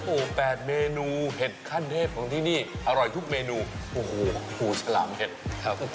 โอ้โห๘เมนูเห็ดขั้นเทพของที่นี่อร่อยทุกเมนูโอ้โหปูฉลามเห็ดครับ